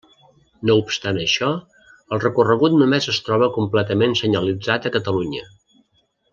No obstant això, el recorregut només es troba completament senyalitzat a Catalunya.